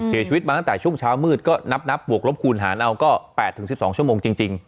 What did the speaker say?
เสียชีวิตมาตั้งแต่ช่วงเช้ามืดก็นับบวกลบคูณหารเอาก็๘๑๒ชั่วโมงจริง